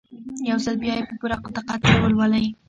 يو ځل بيا يې په پوره دقت سره ولولئ.